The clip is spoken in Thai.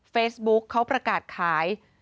เฟซบุ๊คเขาประกาศขาย